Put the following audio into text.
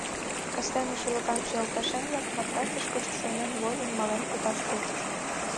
Кастене шӱлыкаҥше йолташем-влак, матрасышкышт шуйнен возын, мален колташ тӧчышт.